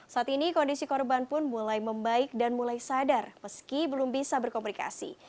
saat ini kondisi korban pun mulai membaik dan mulai sadar meski belum bisa berkomunikasi